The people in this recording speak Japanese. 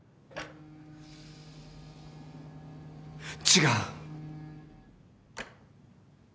違う。